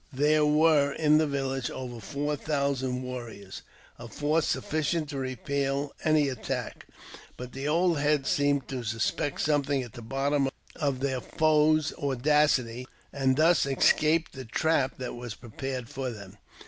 There were in the village over four thousand warriors, a force sufficient to repel any attack ; but the old heads seem to suspect something at the bottom of their foes' audacity, and thus escaped the trap that was prepared for them.